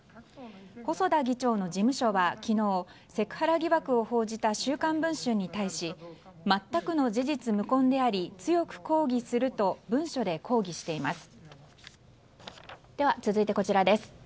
細田議長の事務所は昨日セクハラ疑惑を報じた「週刊文春」に対し全くの事実無根であり強く抗議すると文書で抗議しています。